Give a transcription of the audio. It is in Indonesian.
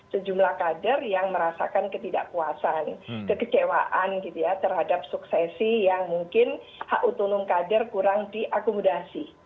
sejumlah kader yang merasakan ketidakpuasan kekecewaan gitu ya terhadap suksesi yang mungkin hak otonom kader kurang diakomodasi